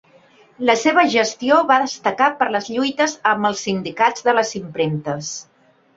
La seva gestió va destacar per les lluites amb els sindicats de les impremtes.